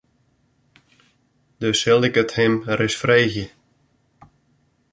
Dus sil ik it him ris freegje.